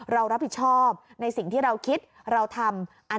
เรารับผิดชอบในสิ่งที่เราคิดเราทำ